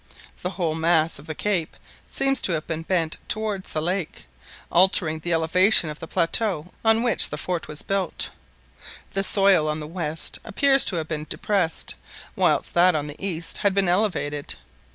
The whole mass of the cape seemed to have been bent towards the lake, altering the elevation of the plateau on which the fort was built. The soil on the west appeared to have been depressed, whilst that on the east had been elevated.